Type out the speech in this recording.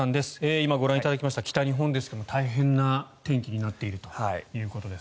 今、ご覧いただきました北日本ですが大変な天気になっているということです。